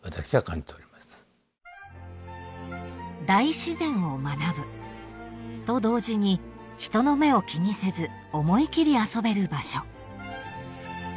［大自然を学ぶと同時に人の目を気にせず思い切り遊べる場所］